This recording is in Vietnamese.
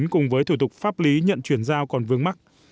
cùng với thủ tục pháp lý nhận chuyển giao còn vương mắc